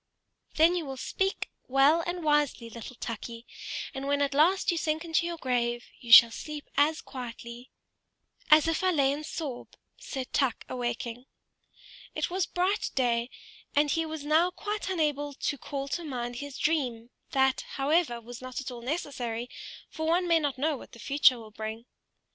"Then you will speak well and wisely, little Tukey; and when at last you sink into your grave, you shall sleep as quietly " "As if I lay in Soroe," said Tuk, awaking. It was bright day, and he was now quite unable to call to mind his dream; that, however, was not at all necessary, for one may not know what the future will bring.